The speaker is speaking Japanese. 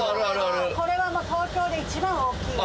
これは東京で一番大きい。